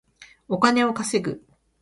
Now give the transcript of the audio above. お金を稼ぐ